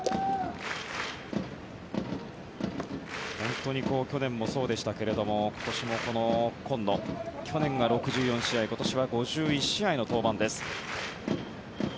本当に去年もそうでしたが今年も今野去年は６４試合今年は５１試合の登板です。